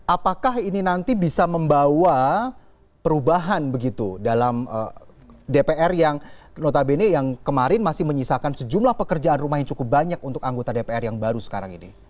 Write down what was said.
apakah ini nanti bisa membawa perubahan begitu dalam dpr yang notabene yang kemarin masih menyisakan sejumlah pekerjaan rumah yang cukup banyak untuk anggota dpr yang baru sekarang ini